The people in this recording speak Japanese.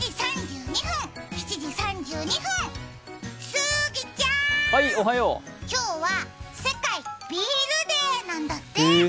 スギちゃん、今日は世界ビールデーなんだって。